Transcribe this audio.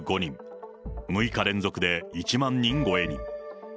６日連続で１万人超えに。